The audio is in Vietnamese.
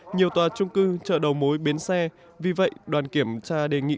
nhiều tòa trung cư chợ đầu mối bến xe vì vậy đoàn kiểm tra đề nghị